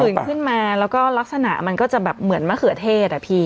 มันเป็นผื่นขึ้นมาแล้วก็ลักษณะมันก็จะเหมือนมะเขือเทศอ่ะพี่